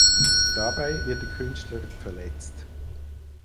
Dabei wird der Künstler verletzt.